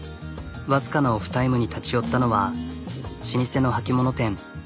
わずかなオフタイムに立ち寄ったのは老舗の履き物店。